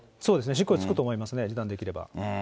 執行猶予付くと思いますね、示談できれば。